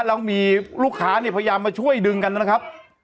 แล้วมีลูกค้าเนี่ยพยายามมาช่วยดึงกันนะครับ